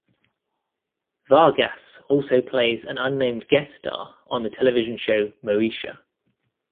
Vargas also plays an unnamed guest star on the television show Moesha.